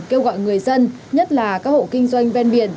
kêu gọi người dân nhất là các hộ kinh doanh ven biển